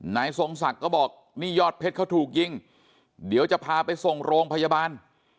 นายทรงศักดิ์ก็บอกนี่ยอดเพชรเขาถูกยิงเดี๋ยวจะพาไปส่งโรงพยาบาล